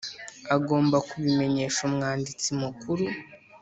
agomba kubimenyesha Umwanditsi Mukuru